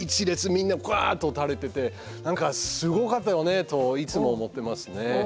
みんなわっと倒れてて何かすごかったよねといつも思ってますね。